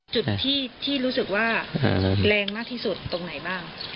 จุดที่รู้สึกว่าแรงมากที่สุดตรงไหนบ้าง